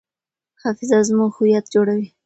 حافظه زموږ هویت جوړوي.